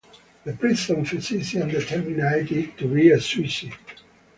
The prison physician determined it to be a suicide.